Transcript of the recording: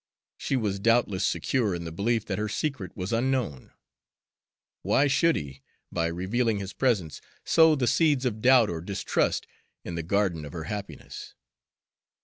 She was doubtless secure in the belief that her secret was unknown. Why should he, by revealing his presence, sow the seeds of doubt or distrust in the garden of her happiness?